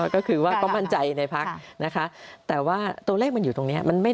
ก็คือว่าก็มั่นใจในพักนะคะแต่ว่าตัวเลขมันอยู่ตรงนี้